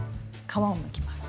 皮をむきます。